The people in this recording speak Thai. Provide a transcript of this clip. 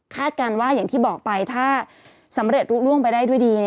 การว่าอย่างที่บอกไปถ้าสำเร็จลุกล่วงไปได้ด้วยดี